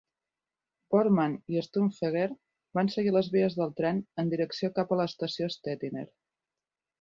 Bormann i Stumpfegger van seguir les vies del tren en direcció cap a l"estació Stettiner.